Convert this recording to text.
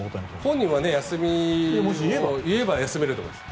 本人は休みを言えば休めると思います。